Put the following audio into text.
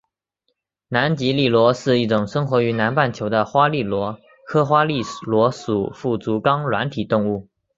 南极笠螺是一种生活于南半球的花笠螺科花笠螺属腹足纲软体动物。